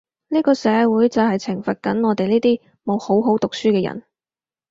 呢個社會就係懲罰緊我哋呢啲冇好好讀書嘅人